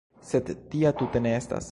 Sed tia tute ne estas.